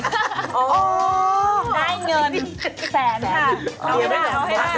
ได้เงินแสนค่ะ